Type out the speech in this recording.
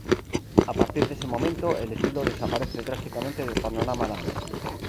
A partir de ese momento el estilo desaparece drásticamente del panorama "dance".